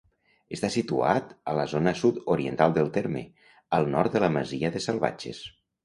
Està situat a la zona sud-oriental del terme, al nord de la masia de Salvatges.